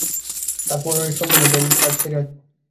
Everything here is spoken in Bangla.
তার পরে সন্ধের মধ্যেই যদি পারি কাজ সেরে আসব।